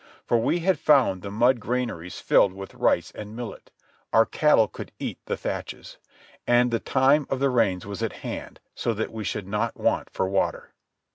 For we had found the mud granaries filled with rice and millet. Our cattle could eat the thatches. And the time of the rains was at hand, so that we should not want for water.